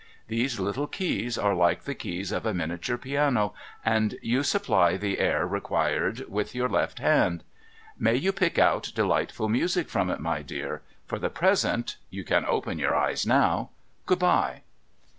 These little keys are like the keys of a minia ture piano, and you supply the air required with your left hand. May you pick out delightful music from it, my dear ! For the present — you can open your eyes now — good bye !